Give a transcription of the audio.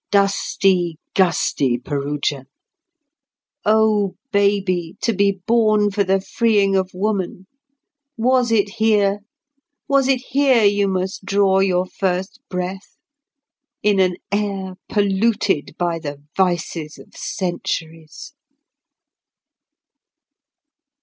Dusty, gusty Perugia! O baby, to be born for the freeing of woman, was it here, was it here you must draw your first breath, in an air polluted by the vices of centuries!